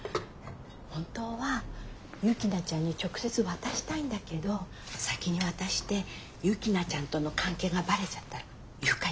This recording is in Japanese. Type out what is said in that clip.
本当は雪菜ちゃんに直接渡したいんだけど先に渡して雪菜ちゃんとの関係がばれちゃったら誘拐できなくなるし。